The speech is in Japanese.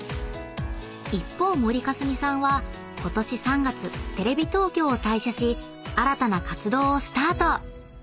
［一方森香澄さんはことし３月テレビ東京を退社し新たな活動をスタート］